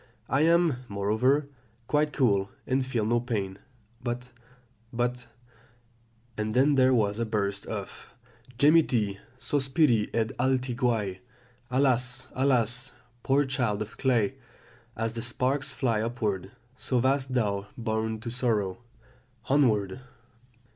I am, moreover, quite cool, and feel no pain but but "And then there was a burst of 'gemiti, sospiri ed alti guai.' Alas, alas, poor child of clay! as the sparks fly upward, so wast thou born to sorrow Onward!"